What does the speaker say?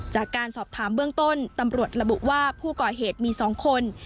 จากการสอบถามเบื้องต้นตำรวจระบุว่าผู้ก่อเหตุมี๒คน